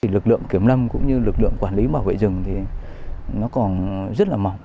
lực lượng kiểm lâm cũng như lực lượng quản lý bảo vệ rừng còn rất mỏng